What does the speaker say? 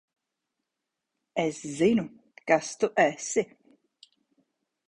Es zinu, kas tu esi.